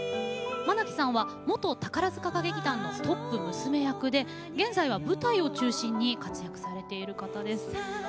愛希さんは元宝塚歌劇団のトップ娘役で現在は舞台を中心に活躍されている方です。